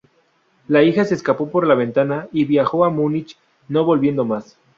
La hija se escapó por la ventana y viajó a Múnich, no volviendo más.